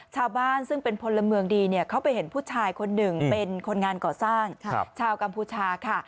ชาวบ้านซึ่งเป็นพลเมืองดีเขาไปเห็นผู้ชายคนหนึ่งเป็นคนงานก่อสร้างชาวกัมพูชาค่ะ